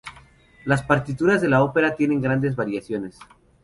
Las partituras de la ópera tienen grandes variaciones.